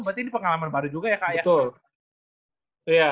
berarti ini pengalaman baru juga ya kak ya